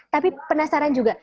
tapi penasaran juga